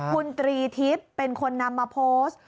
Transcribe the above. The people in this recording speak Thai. คุณตรีทิพย์เป็นคนนำมาโพสต์